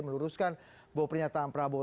menuruskan bahwa pernyataan prabowo